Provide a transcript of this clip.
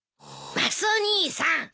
マスオ兄さん！